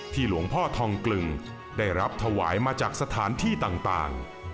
หลวงพ่อทองกลึงได้รับถวายมาจากสถานที่ต่าง